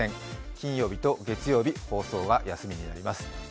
金曜日と月曜日、放送は休みになります。